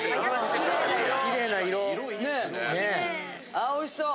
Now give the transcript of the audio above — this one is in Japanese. ・ああおいしそう！